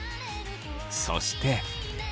そして。